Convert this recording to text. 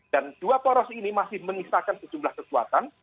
dan dua poros ini masih menisahkan sejumlah kekuatan